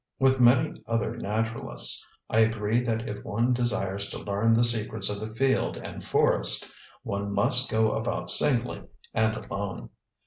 With many other naturalists, I agree that if one desires to learn the secrets of the field and forest, one must go about singly and alone.